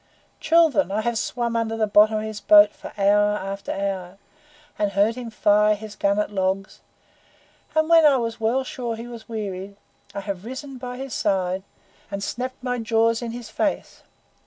Children, I have swum under the bottom of his boat for hour after hour, and heard him fire his gun at logs; and when I was well sure he was wearied, I have risen by his side and snapped my jaws in his face.